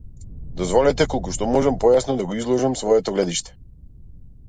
Дозволете колку што можам појасно да го изложам своето гледиште.